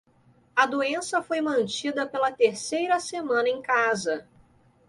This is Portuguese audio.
A doença foi mantida pela terceira semana em casa.